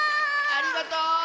ありがとう！